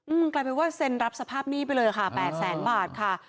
กลายเป็นว่าเซ็นรับสภาพหนี้ไปเลยค่ะแปดแสนบาทค่ะ